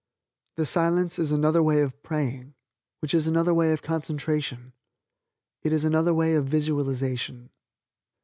The Silence is another way of praying, which is another way of concentration. It is another way of visualization.